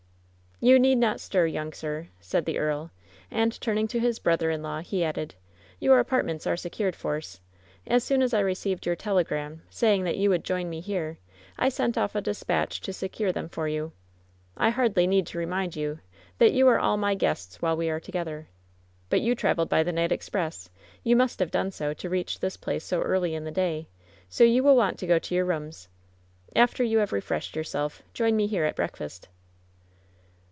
"You need not stir, young sir," said the earl; and turning to his brother in law, he added: "Your apart ments are secured, Force. As soon as I received your telegram saying that you would join me here, I sent off a dispatch to secure them for you. I hardly need to re mind you that you are all my guests while we are to gether. But you traveled by the night express. You must have done so to reach this place so early in the day; so you will want to go to your rooms. After you have refreshed yourselves, join me here at breakfast."